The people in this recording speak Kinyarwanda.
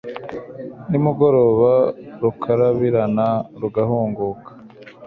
nimugoroba rukarabirana, rugahunguka